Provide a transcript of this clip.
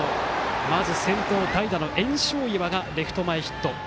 まず先頭、代打の焔硝岩がレフト前ヒット。